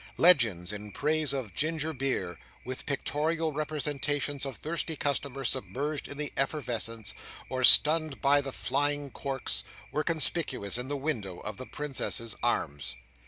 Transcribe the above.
Legends in praise of Ginger Beer, with pictorial representations of thirsty customers submerged in the effervescence, or stunned by the flying corks, were conspicuous in the window of the Princess's Arms.